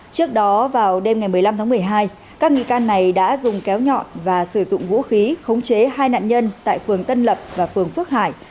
trước đó vào đêm ngày một mươi năm tháng một mươi hai các nghi can này đã dùng kéo nhọn và sử dụng vũ khí khống chế hai nạn nhân tại phường tân lập và phường phước hải